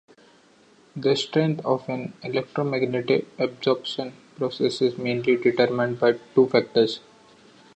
The strength of an electromagnetic absorption process is mainly determined by two factors.